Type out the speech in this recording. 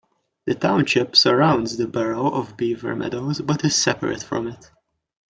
The township surrounds the borough of Beaver Meadows but is separate from it.